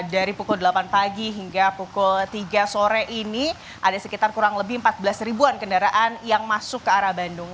dari pukul delapan pagi hingga pukul tiga sore ini ada sekitar kurang lebih empat belas ribuan kendaraan yang masuk ke arah bandung